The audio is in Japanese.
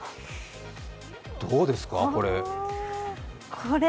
どうですか、これ。